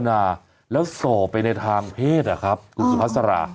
โฆษณาแล้วส่อไปในทางเพศอ่ะครับกุศุพัสรา